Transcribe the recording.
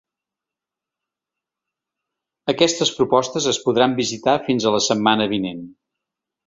Aquestes propostes es podran visitar fins a la setmana vinent.